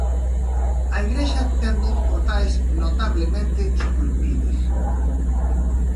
A igrexa ten dous portais notablemente esculpidos.